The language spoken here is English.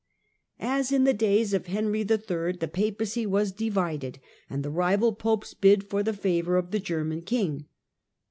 As in the days of Henry III. the Papacy was divided and the rival Popes bid for the favour of the German king.